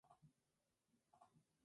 Cooper murió en Barranquilla, Colombia.